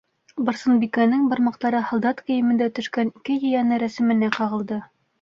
Барсынбикәнең бармаҡтары һалдат кейемендә төшкән ике ейәне рәсеменә ҡағылды.